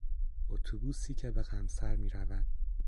اتوبوسی که به قمصر میرود